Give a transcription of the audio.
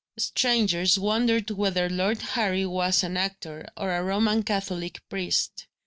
Strangers wondered whether Lord Harry was an actor or a Roman Catholic priest.